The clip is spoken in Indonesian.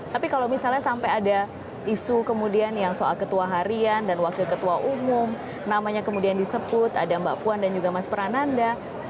tapi kalau misalnya sampai ada isu kemudian yang soal ketua harian dan wakil ketua umum namanya kemudian disebut ada mbak puan dan juga mas prananda